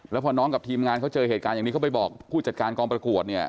แล้วพอน้องกับทีมงานเขาเจอเหตุการณ์อย่างนี้เขาไปบอกผู้จัดการกองประกวดเนี่ย